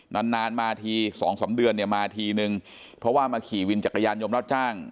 นานมาที๒๓เดือนมาทีนึงเพราะว่ามาขี่วินจักรยานยนต์รับจ้าง